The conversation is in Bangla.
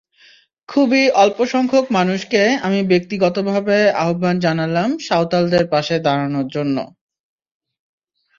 খুবই অল্পসংখ্যক মানুষকে আমি ব্যক্তিগতভাবে আহ্বান জানালাম সাঁওতালদের পাশে দাঁড়ানোর জন্য।